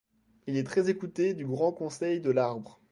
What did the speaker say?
Il est très écouté du Grand Conseil de l’Arbre.